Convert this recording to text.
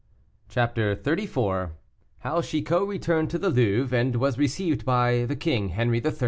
CHAPTER XXXIV. HOW CHICOT RETURNED TO THE LOUVRE, AND WAS RECEIVED BY THE KING HENRI III.